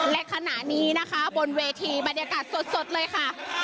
และขณะนี้นะคะบนเวทีบรรยากาศสดเลยค่ะ